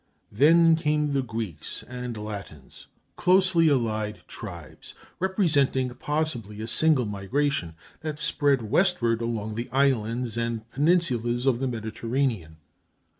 Then came the Greeks and Latins, closely allied tribes, representing possibly a single migration, that spread westward along the islands and peninsulas of the Mediterranean.